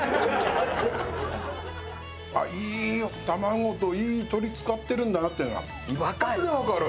いい卵といい鶏使ってるんだなっていうのが一発でわかる。